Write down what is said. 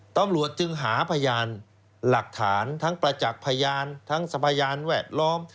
ตำรวจจึงหาพยานหลักฐานทั้งประจักษ์พยานทั้งพยานแวดล้อม